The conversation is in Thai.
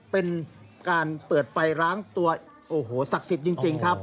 เป็นการเปิดไฟล้างตัวโอ้โหศักดิ์สิทธิ์จริงครับ